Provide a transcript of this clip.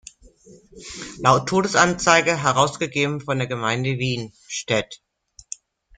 Laut Todesanzeige, herausgegeben von der Gemeinde Wien –städt.